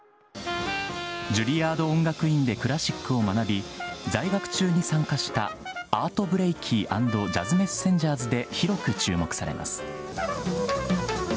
ジュリアード音楽院でクラシックを学び在学中に参加したアート・ブレイキー＆ジャズ・メッセンジャーズで広く注目されます。